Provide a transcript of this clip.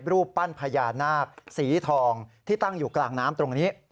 รูปปั้นพญานาคสีทองที่ตั้งอยู่กลางน้ำตรงนี้